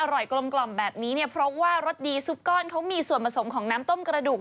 อร่อยกลมแบบนี้เนี่ยเพราะว่ารสดีซุปก้อนเขามีส่วนผสมของน้ำต้มกระดูก